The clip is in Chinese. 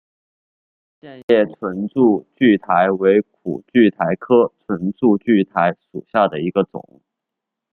线叶唇柱苣苔为苦苣苔科唇柱苣苔属下的一个种。